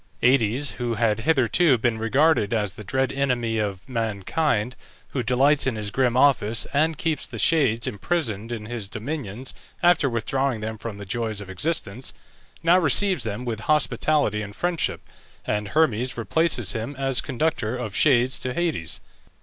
Aïdes, who had hitherto been regarded as the dread enemy of mankind, who delights in his grim office, and keeps the shades imprisoned in his dominions after withdrawing them from the joys of existence, now receives them with hospitality and friendship, and Hermes replaces him as conductor of shades to Hades.